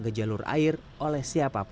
sama berikutnya firmin diangin